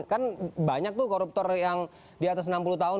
kan banyak tuh koruptor yang di atas enam puluh tahun